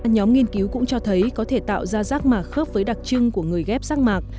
nhóm nghiên cứu cũng cho thấy có thể tạo ra rác mạc khớp với đặc trưng của người ghép rác mạc